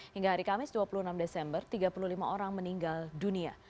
hingga hari kamis dua puluh enam desember tiga puluh lima orang meninggal dunia